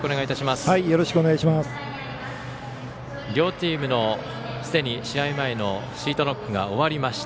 すでに両チームの試合前のシートノックが終わりました。